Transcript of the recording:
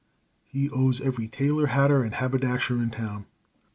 He owes every tailor, hatter, and haberdasher in town.